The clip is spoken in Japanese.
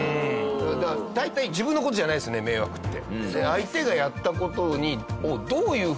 大体自分の事じゃないですよね迷惑って。